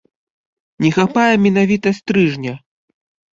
Не хапае менавіта стрыжня.